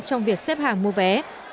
trong việc xếp hàng mua vé